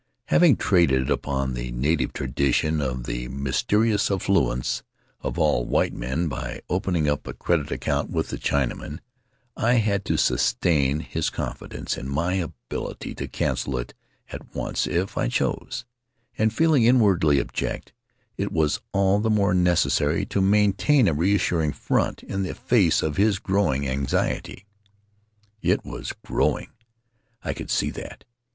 Having traded upon the native tradition of the mysterious affluence of all white men by opening up a credit account with the Chinaman I had to sustain his confidence in my ability to cancel it at once if I choose; and, feeling inwardly abject, it was all the more necessary to maintain a reassuring front in the face of his growing anxiety. It was growing. I could see that.